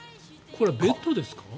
これはベッドですか？